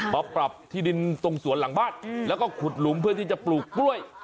มาปรับที่ดินตรงสวนหลังบ้านแล้วก็ขุดหลุมเพื่อที่จะปลูกกล้วย